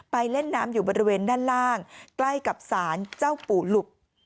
เล่นน้ำอยู่บริเวณด้านล่างใกล้กับศาลเจ้าปู่หลุบ